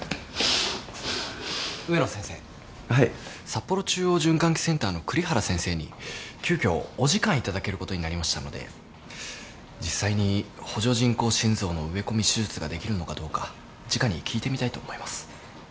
札幌中央循環器センターの栗原先生に急きょお時間頂けることになりましたので実際に補助人工心臓の植え込み手術ができるのかどうかじかに聞いてみたいと思います。